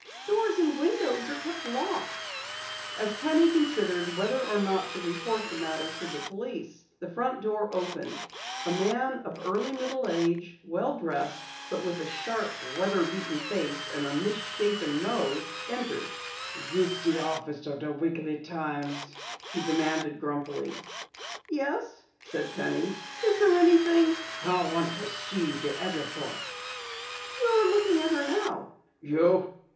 "Doors and windows are kept locked." As Penny considered whether or not to report the matter to police, the front door opened. A man of early middle age, well dressed, but with a sharp, weather beaten face and a mis shapen nose, entered. "This the office of the Weekly Times?" he demanded grumpily. "Yes," said Penny. "Is there anything " "I want to see the editor." "You're looking at her now." "You!